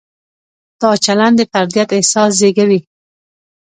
دا چلند د فردیت احساس زېږوي.